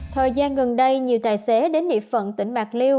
thời gian gần đây nhiều tài xế đến địa phận tỉnh bạc liêu